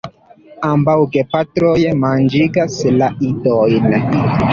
Ambaŭ gepatroj manĝigas la idojn.